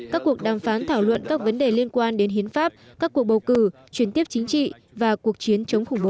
các cuộc đàm phán thảo luận các vấn đề liên quan đến hiến pháp các cuộc bầu cử truyền tiếp chính trị và cuộc chiến chống khủng bố